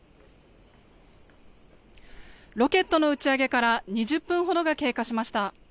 ロケットの打ち上げから２０分ほどが経過しました。